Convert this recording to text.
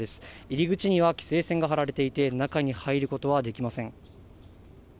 入り口には規制線が張られていて、中に入ることはできません。